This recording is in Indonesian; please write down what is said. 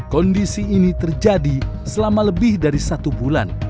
kondisi ini terjadi selama lebih dari satu bulan